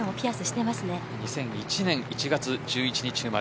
２００１年１月１１日生まれ。